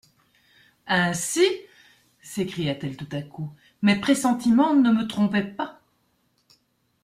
—«Ainsi,» s’écria-t-elle tout à coup, «mes pressentiments ne me trompaient pas.